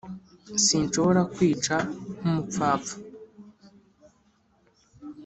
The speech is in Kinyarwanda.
sinshobora kwica, nk'umupfapfa,